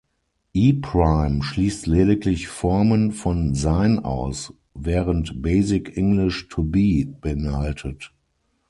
E-Prime schließt lediglich Formen von „sein“ aus, während Basic English „to be“ beinhaltet.